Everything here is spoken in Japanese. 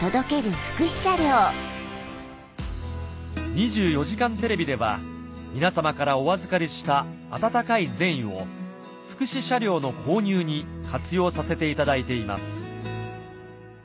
『２４時間テレビ』では皆様からお預かりした温かい善意を福祉車両の購入に活用させていただいています